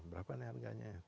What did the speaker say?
berapa nih harganya